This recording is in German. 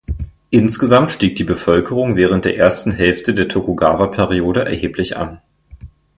Insgesamt stieg die Bevölkerung während der ersten Hälfte der Tokugawa-Periode erheblich an.